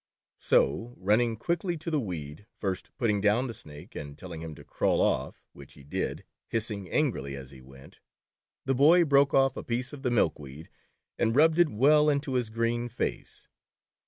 So running quickly to the weed, first putting down the Snake, and telling him to "crawl off," which he did, hissing angrily as he went, the Boy broke off a piece of the milkweed, and rubbed it well into his green face.